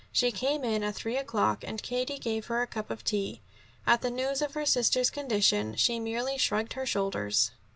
She came in at three o'clock, and Katie gave her a cup of tea. At the news of her sister's condition, she merely shrugged her shoulders.